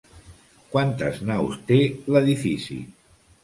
Quantes naus té l'edifici?